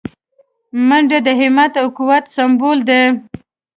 منډه د همت او قوت سمبول دی